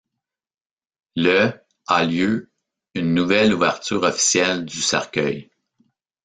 Le a lieu une nouvelle ouverture officielle du cercueil.